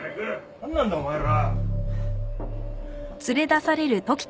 何なんだお前ら。